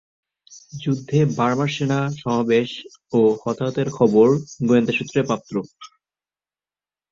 যুদ্ধে বার্মার সেনা সমাবেশ ও হতাহতের খবর গোয়েন্দা সূত্রে প্রাপ্ত।